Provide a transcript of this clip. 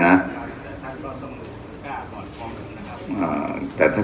กล้าตกาดเท้าแร่นะ